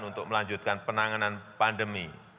untuk melanjutkan penanganan pandemi